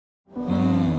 うん。